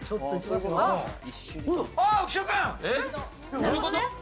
どういうこと？